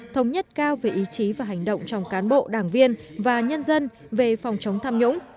thống nhất cao về ý chí và hành động trong cán bộ đảng viên và nhân dân về phòng chống tham nhũng